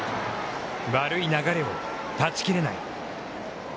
悪い流れを断ち切れない。